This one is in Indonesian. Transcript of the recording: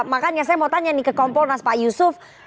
makanya saya mau tanya nih ke kompolnas pak yusuf